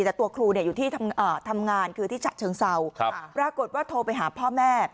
แต่ตัวครูอยู่ที่ทำงานคือที่ฉะเชิงเศร้าปรากฏว่าโทรไปหาพ่อแม่